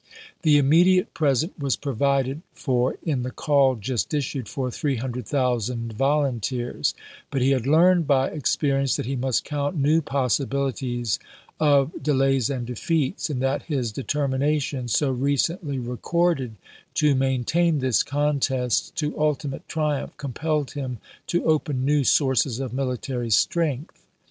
The immedi ate present was provided for in the call just issued for 300,000 volunteers ; but he had learned by ex perience that he must count new possibilities of delays and defeats, and that his determination, so recently recorded, to "maintain this contest" to ultimate triumph, compelled him to open new sources of military strength.